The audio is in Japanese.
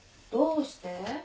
どうして？